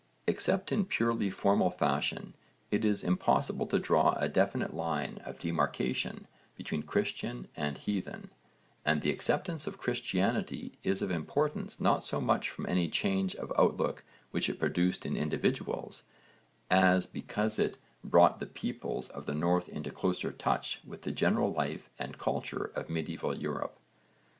Except in purely formal fashion it is impossible to draw a definite line of demarcation between Christian and heathen, and the acceptance of Christianity is of importance not so much from any change of outlook which it produced in individuals, as because it brought the peoples of the North into closer touch with the general life and culture of medieval Europe.